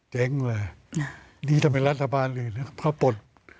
เจ๊งเลยนี่ทำไมรัฐบาลอื่นเขาปลด